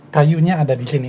kayunya ada di sini